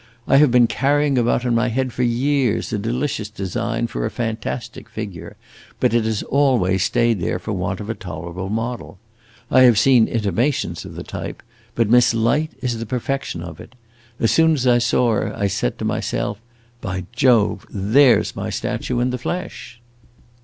I have been carrying about in my head for years a delicious design for a fantastic figure, but it has always stayed there for want of a tolerable model. I have seen intimations of the type, but Miss Light is the perfection of it. As soon as I saw her I said to myself, 'By Jove, there 's my statue in the flesh!